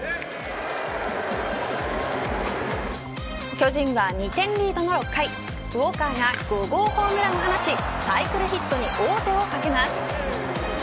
巨人は２点リードの６回ウォーカーが５号ホームランを放ちサイクルヒットに王手をかけます。